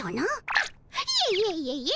あっいえいえいえいえ。